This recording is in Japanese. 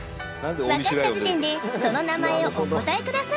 分かった時点でその名前をお答えください